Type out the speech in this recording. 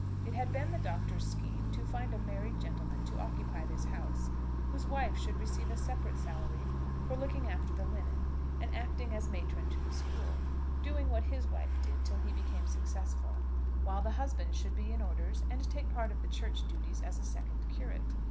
It had been the Doctor's scheme to find a married gentleman to occupy this house, whose wife should receive a separate salary for looking after the linen and acting as matron to the school, doing what his wife did till he became successful, while the husband should be in orders and take part of the church duties as a second curate.